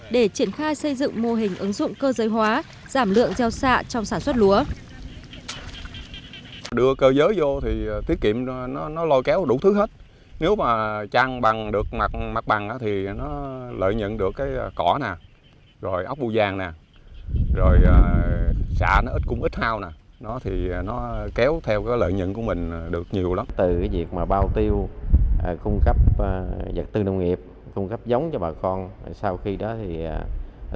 để triển khai xây dựng mô hình ứng dụng cơ giới hóa giảm lượng gieo xạ trong sản xuất lúa